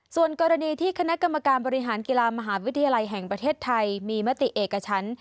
ส่วนกรณีที่คณะกรรมการบริหารกีฬามหาวิทยาลัยแห่งประเทศไทยมีมติเอกชั้น